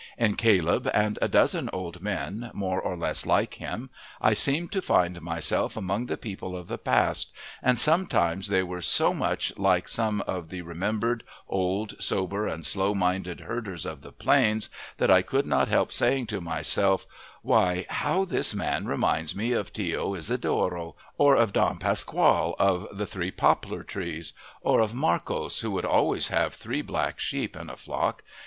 In Caleb, and a dozen old men more or less like him, I seemed to find myself among the people of the past, and sometimes they were so much like some of the remembered, old, sober, and slow minded herders of the plains that I could not help saying to myself, Why, how this man reminds me of Tio Isidoro, or of Don Pascual of the "Three Poplar Trees," or of Marcos who would always have three black sheep in a flock.